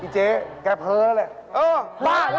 อีเจ๊แกเพลาแล้วเลยเออล่ะ